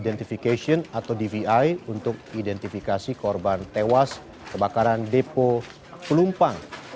identification atau dvi untuk identifikasi korban tewas kebakaran depo pelumpang